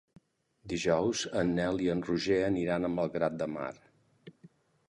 Dijous en Nel i en Roger aniran a Malgrat de Mar.